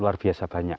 luar biasa banyak